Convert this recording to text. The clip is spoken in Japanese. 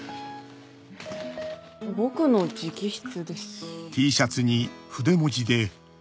「僕の直筆です」。